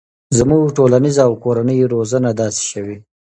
زموږ ټولنیزه او کورنۍ روزنه داسې شوي